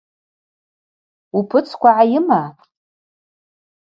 Упыцква гӏайыма?